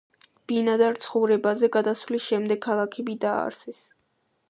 ბინადარ ცხოვრებაზე გადასვლის შემდეგ ქალაქები დააარსეს.